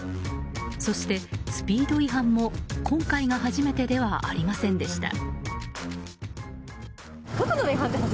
そしてスピード違反も、今回が初めてではありませんでした。